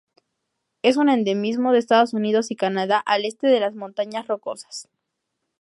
Es un endemismo de Estados Unidos y Canadá al este de las Montañas Rocosas.